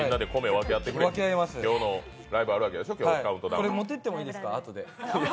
これ、あとで持っていってもいいですか？